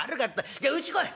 じゃあうち来いなっ。